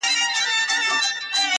جلوه مخي په گودر دي اموخته کړم.